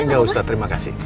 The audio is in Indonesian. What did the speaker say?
nggak usah terima kasih